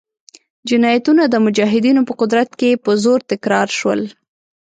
جنایتونه د مجاهدینو په قدرت کې په زور تکرار شول.